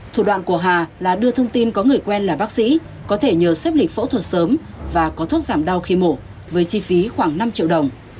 thủ đoạn của hà là đưa thông tin có người quen là bác sĩ có thể nhờ xếp lịch phẫu thuật sớm và có thuốc giảm đau khi mổ với chi phí khoảng năm triệu đồng